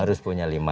harus punya lima